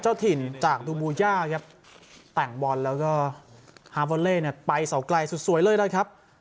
เจ้าถิ่นจากดูบูย่าครับแต่งบอลแล้วก็ไปเสาไกลสวยสวยเลยแล้วครับ